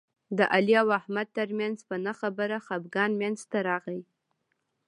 د علي او احمد ترمنځ په نه خبره خپګان منځ ته راغی.